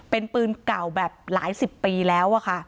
เป็นปืนเก่าแบบหลายสิบปีแล้วอะค่ะ